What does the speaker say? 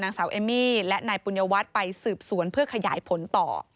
นางสาวเอมมี่และนายปุญญวัตรไปสืบสวนเพื่อขยายผลต่อ